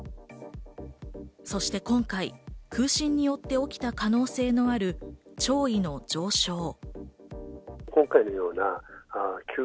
そして今回、空振によって起きた可能性のある潮位の上昇。